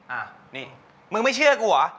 อ่ะนี่มึงไม่เชื่อกูเหรอ